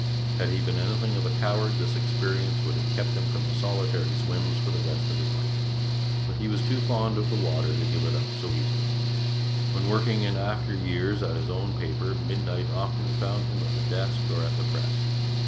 Had he been anything of a coward, this experience would have kept him from solitary swims for the rest of his life. But he was too fond of the water to give it up so easily. When working in after years at his own paper, midnight often found him at the desk or at the press.